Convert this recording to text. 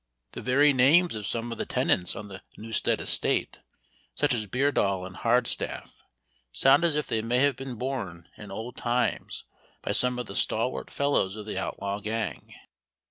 The very names of some of the tenants on the Newstead estate, such as Beardall and Hardstaff, sound as if they may have been borne in old times by some of the stalwart fellows of the outlaw gang.